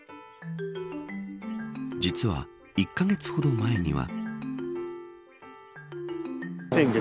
実は１カ月ほど前には。